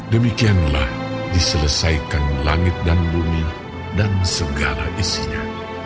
demikianlah diselesaikan langit dan bumi dan segala isinya